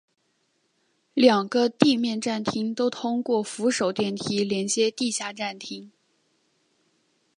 两个地面站厅都通过扶手电梯连接地下站厅。